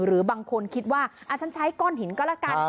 หรือบางคนคิดว่าอาจจะใช้ก้อนหินก็ละกัน